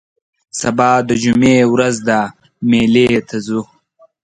سبا د جمعې ورځ ده مېلې ته ځو